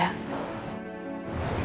biar aku dan masalah aja